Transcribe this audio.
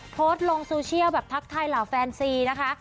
โพสต์ลงโซเชียลแบบทักทายเหล่าแฟนซีนะคะ